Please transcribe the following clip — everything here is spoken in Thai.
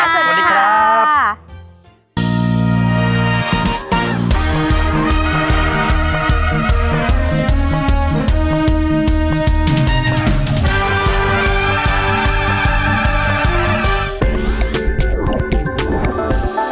สวัสดีค่ะ